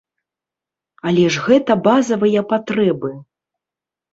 Але ж гэта базавыя патрэбы.